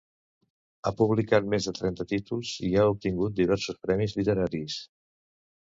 Ha publicat més de trenta títols i ha obtingut diversos premis literaris.